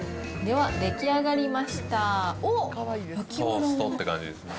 ザ・トーストっていう感じですね。